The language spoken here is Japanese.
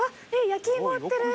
焼き芋売ってる。